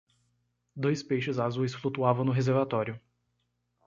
Dois peixes azuis flutuavam no reservatório.